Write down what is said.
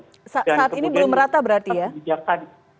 saat ini belum rata berarti ya